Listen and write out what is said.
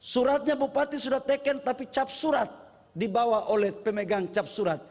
suratnya bupati sudah taken tapi cap surat dibawa oleh pemegang cap surat